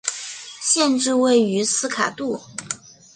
县治位于斯卡杜。